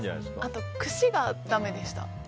あと、くしがだめでした。